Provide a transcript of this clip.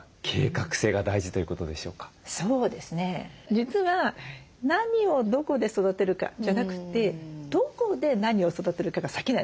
実は「何をどこで育てるか？」じゃなくて「どこで何を育てるか？」が先なんですよ。